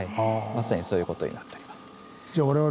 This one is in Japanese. まさにそういうことになっております。